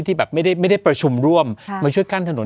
ที่แบบไม่ได้ประชุมร่วมมาช่วยกั้นถนน